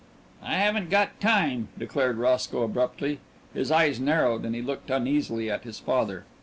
"I haven't got time," declared Roscoe abruptly. His eyes narrowed and he looked uneasily at his father.